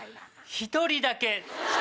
１人だけ？